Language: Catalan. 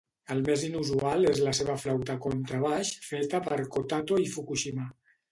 El més inusual és la seva flauta contrabaix feta per Kotato i Fukushima.